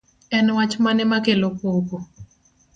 En wach mane makelo koko